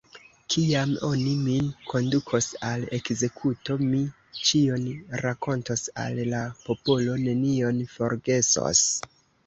Kiam oni min kondukos al ekzekuto, mi ĉion rakontos al la popolo, nenion forgesos.